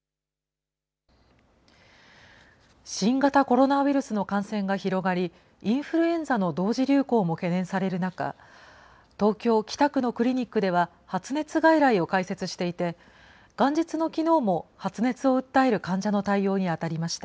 新型コロナウイルスの感染が広がり、インフルエンザの同時流行も懸念される中、東京・北区のクリニックでは発熱外来を開設していて、元日のきのうも、発熱を訴える患者の対応に当たりました。